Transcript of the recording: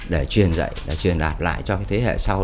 để truyền dạy để truyền đạt lại cho thế hệ sau